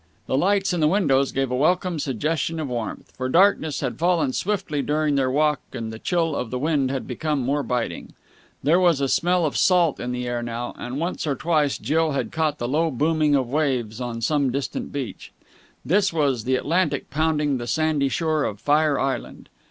The lights in the windows gave a welcome suggestion of warmth, for darkness had fallen swiftly during their walk and the chill of the wind had become more biting. There was a smell of salt in the air now, and once or twice Jill had caught the low booming of waves on some distant beach. This was the Atlantic pounding the sandy shore of Fire Island.